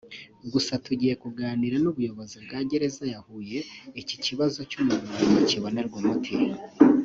Gusa tugiye kuganira n’ubuyobozi bwa Gereza ya Huye iki kibazo cy’umunuko kibonerwe umuti”